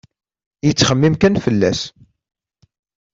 Yettxemmim kan fell-as.